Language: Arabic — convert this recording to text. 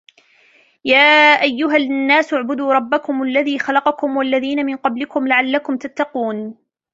يَا أَيُّهَا النَّاسُ اعْبُدُوا رَبَّكُمُ الَّذِي خَلَقَكُمْ وَالَّذِينَ مِنْ قَبْلِكُمْ لَعَلَّكُمْ تَتَّقُونَ